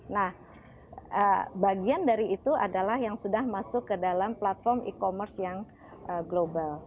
nah bagian dari itu adalah yang sudah masuk ke dalam platform e commerce yang global